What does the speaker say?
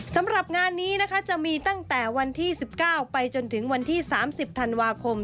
สำหรับงานนี้นะคะจะมีตั้งแต่วันที่๑๙ไปจนถึงวันที่๓๐ธันวาคม